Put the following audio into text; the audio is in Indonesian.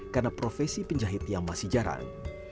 karena profesi penjahit yang masih jarang